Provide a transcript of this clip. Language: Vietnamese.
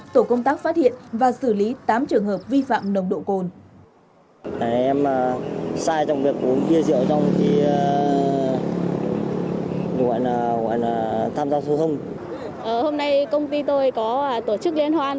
tổ công tác phát hiện và xử lý tám trường hợp vi phạm nồng độ cồn